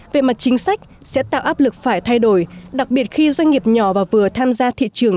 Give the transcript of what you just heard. về mặt chính sách sẽ tạo áp lực phải thay đổi đặc biệt khi doanh nghiệp nhỏ và vừa tham gia thị trường